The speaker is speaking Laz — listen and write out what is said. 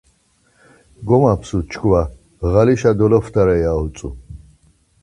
Gomapsu çkva ğalişa doloptare ya utzu.